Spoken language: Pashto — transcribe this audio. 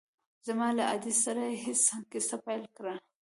زما له ادې سره يې هسې کيسه پيل کړه.